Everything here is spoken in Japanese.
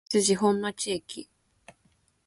堺筋本町駅